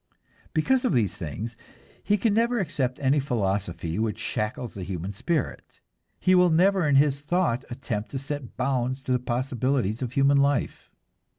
Because of these things he can never accept any philosophy which shackles the human spirit, he will never in his thought attempt to set bounds to the possibilities of human life.